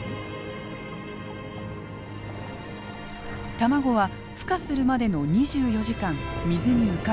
卵はふ化するまでの２４時間水に浮かびます。